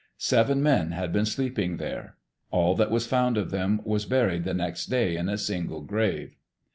Seven men had been sleeping there. All that was found of them was buried the next day in a single grave.